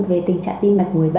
về tình trạng tim mạch